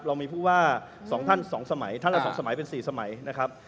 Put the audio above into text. เรามีผู้ว่าสองท่านสองสมัยท่านละสองสมัยเป็นสี่สมัยนะครับ